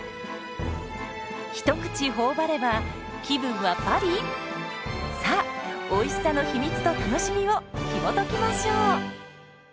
一口頬張れば気分はパリ⁉さあおいしさの秘密と楽しみをひもときましょう。